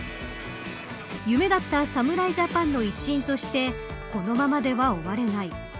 夢だった侍ジャパンの一員としてこのままでは終われない。